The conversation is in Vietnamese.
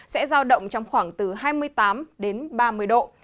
sẽ giao động trong khoảng từ hai mươi tám đến ba mươi độ